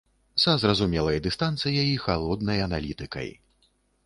Са зразумелай дыстанцыяй і халоднай аналітыкай.